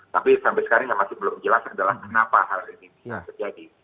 tapi sampai sekarang masih belum dijelaskan dalam kenapa hal ini bisa terjadi